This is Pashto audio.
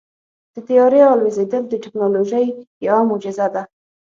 د طیارې الوزېدل د تیکنالوژۍ یوه معجزه ده.